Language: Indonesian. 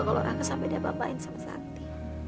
kalo raka sampai diapain apain sama sakti